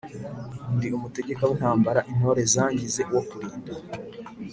ndi umutegeka w'intambara intore zangize uwo kulinda.